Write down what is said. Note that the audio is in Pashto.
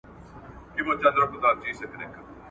د قیامت نښانې دغه دي ښکاریږي !.